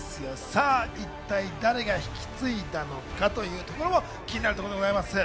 さあ、一体誰が引き継いだのかというところも気になるところでございます。